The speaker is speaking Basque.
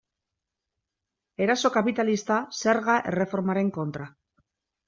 Eraso kapitalista zerga erreformaren kontra.